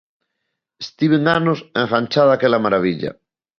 Estiven anos enganchada a aquela marabilla!